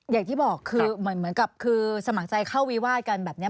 อย่างที่บอกคือเหมือนกับคือสมัครใจเข้าวิวาดกันแบบนี้